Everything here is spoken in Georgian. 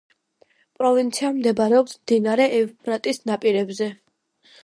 პროვინცია მდებარეობს მდინარე ევფრატის ნაპირებზე.